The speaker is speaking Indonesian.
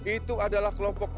itu adalah kelobakan anak yatim